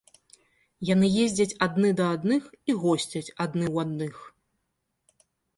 Яны ездзяць адны да адных і госцяць адны ў адных.